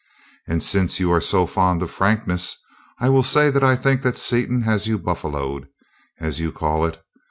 And since you are so fond of frankness, I will say that I think that Seaton has you buffaloed, as you call it.